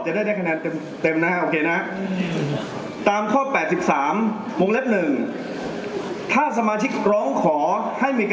จะได้คะแนนเต็มนะครับโอเคนะครับ